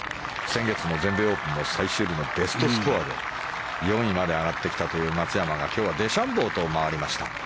先月の全米オープンの最終日のベストスコアで４位まで上がってきたという松山は今日はデシャンボーと回りました。